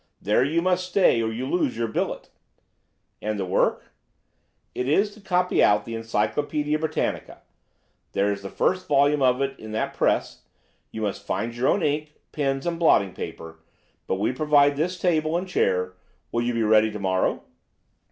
There you must stay, or you lose your billet.' "'And the work?' "'Is to copy out the Encyclopædia Britannica. There is the first volume of it in that press. You must find your own ink, pens, and blotting paper, but we provide this table and chair. Will you be ready to morrow?